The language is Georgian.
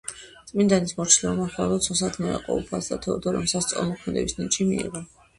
წმინდანის მორჩილება, მარხვა და ლოცვა სათნო ეყო უფალს და თეოდორამ სასწაულთქმედების ნიჭი მიიღო.